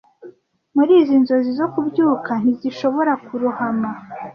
Muri izi nzozi zo kubyuka ntizishobora kurohama